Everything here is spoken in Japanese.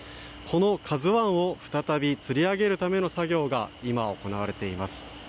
この「ＫＡＺＵ１」を再びつり上げるための作業が今、行われています。